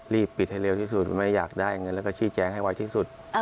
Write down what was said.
รีบปิดให้เร็วที่สุดไม่อยากได้เงินแล้วก็ชี้แจงให้ไวที่สุด